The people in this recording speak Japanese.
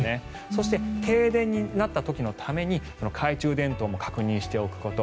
そして、停電になった時のために懐中電灯も確認しておくこと。